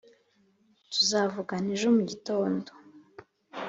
Tuzavugana ejo mu gitondo.